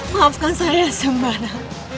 maafkan saya sembara